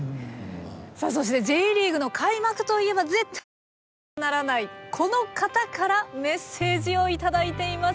そしてＪリーグの開幕といえば絶対に忘れてはならないこの方からメッセージを頂いています。